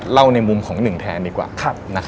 ในมุมของหนึ่งแทนดีกว่า